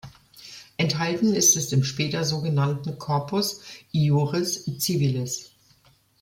Enthalten ist es im später so genannten Corpus iuris civilis.